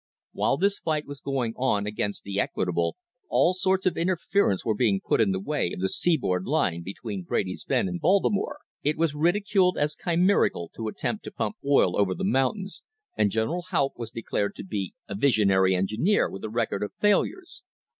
While this fight was going on against the Equitable all sorts of interference were being put in the way of the seaboard line between Brady's Bend and Baltimore. It was ridiculed as chimerical to attempt to pump oil over the mountains, and General Haupt was declared to be a visionary engineer with a record of failures.